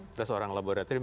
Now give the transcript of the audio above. terus orang laboratorium